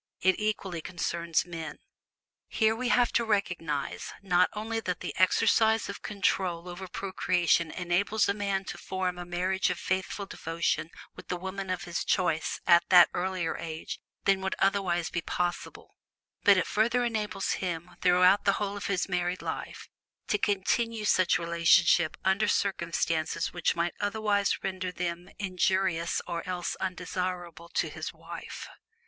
It equally concerns men. Here we have to recognize, not only that the exercise of control over procreation enables a man to form a marriage of faithful devotion with the woman of his choice at an earlier age than would otherwise be possible, but it further enables him, throughout the whole of his married life, to continue such relationship under circumstances which might otherwise render them injurious or else undesirable to his wife.